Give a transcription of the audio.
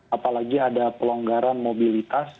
apalagi ada pelonggaran mobilitas